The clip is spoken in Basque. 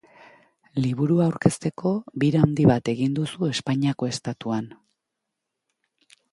Liburua aurkezteko bira handi bat egin duzu Espainiako Estatuan.